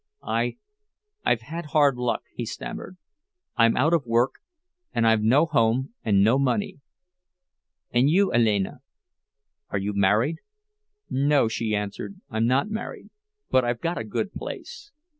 "I—I've had hard luck," he stammered. "I'm out of work, and I've no home and no money. And you, Alena—are you married?" "No," she answered, "I'm not married, but I've got a good place."